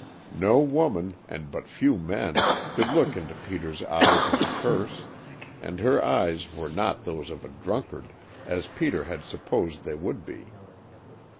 No woman, and but few men, could look into Peter's eyes and curse, and her eyes were not those of a drunkard, as Peter had supposed they would be.